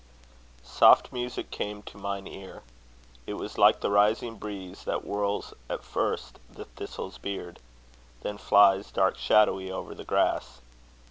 Soft music came to mine ear. It was like the rising breeze, that whirls, at first, the thistle's beard; then flies, dark shadowy, over the grass.